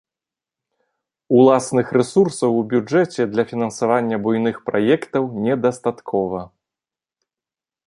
Уласных рэсурсаў у бюджэце для фінансавання буйных праектаў недастаткова.